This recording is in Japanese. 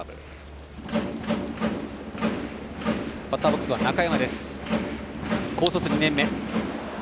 バッターボックスは中山高卒２年目。